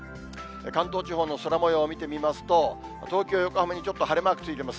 関東地方の空もようを見てみますと、東京、横浜にちょっと晴れマークついてます。